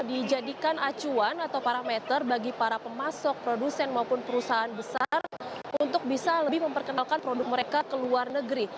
dijadikan acuan atau parameter bagi para pemasok produsen maupun perusahaan besar untuk bisa lebih memperkenalkan produk mereka ke luar negeri